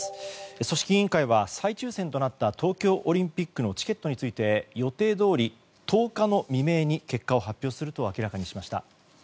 組織委員会は再抽選となった東京オリンピックのチケットについて予定どおり１０日の未明に結果を発表すると明らかにしました。